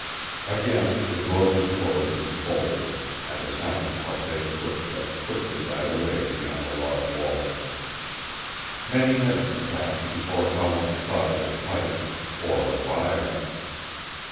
Again the door was closed and bolted and the sound of Croisset's footsteps quickly died away beyond the log walls. Many minutes passed before Howland thought of his pipe, or a fire.